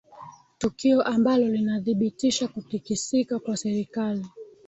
tukio ambalo linadhibitisha kutikisika kwa serikali